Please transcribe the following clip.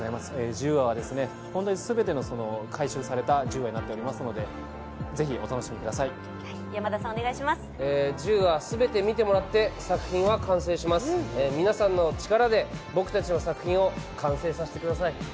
１０話は、本当に全ての回収された１０話になっておりますので、１０話全て見てもらって作品は完成します、皆さんの力で僕たちの作品を完成させてください。